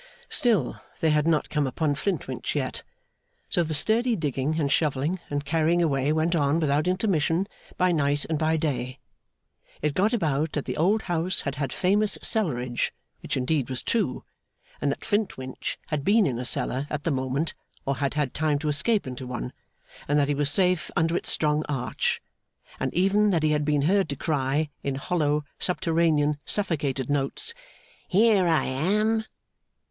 Still, they had not come upon Flintwinch yet; so the sturdy digging and shovelling and carrying away went on without intermission by night and by day. It got about that the old house had had famous cellarage (which indeed was true), and that Flintwinch had been in a cellar at the moment, or had had time to escape into one, and that he was safe under its strong arch, and even that he had been heard to cry, in hollow, subterranean, suffocated notes, 'Here I am!